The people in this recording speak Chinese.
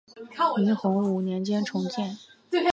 明洪武年间重建。